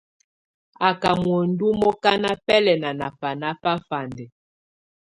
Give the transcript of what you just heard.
Á ká muǝndù mukana bɛlɛna nà bana bafandɛ.